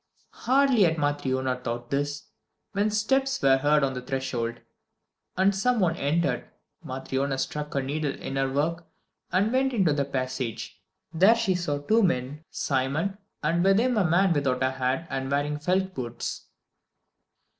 Hardly had Matryona thought this, when steps were heard on the threshold, and some one entered. Matryona stuck her needle into her work and went out into the passage. There she saw two men: Simon, and with him a man without a hat, and wearing felt boots.